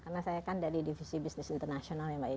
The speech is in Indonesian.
karena saya kan dari divisi business internasional ya mbak ya